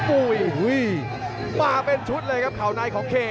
อุ้ยมาเป็นชุดเลยครับเหล่านายของเค